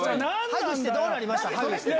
⁉ハグしてどうなりました？